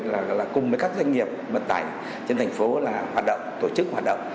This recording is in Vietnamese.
là cùng với các doanh nghiệp vận tải trên thành phố là hoạt động tổ chức hoạt động